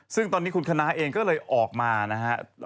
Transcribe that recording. ซึ่งตอนนี้คุณคณะเองก็เลยออกมานะฮะ